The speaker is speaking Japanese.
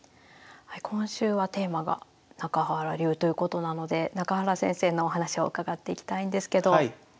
今週はテーマが中原流ということなので中原先生のお話を伺っていきたいんですけど